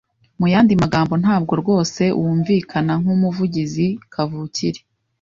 Muyandi magambo, ntabwo rwose wumvikana nkumuvugizi kavukire.